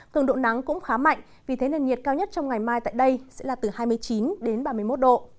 cường độ nắng cũng khá mạnh vì thế nền nhiệt cao nhất trong ngày mai tại đây sẽ là từ hai mươi chín đến ba mươi một độ